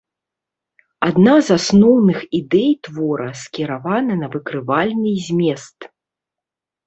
Адна з асноўных ідэй твора скіравана на выкрывальны змест.